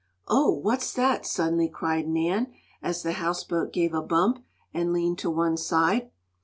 "Oh, what's that!" suddenly cried Nan, as the houseboat gave a bump, and leaned to one side.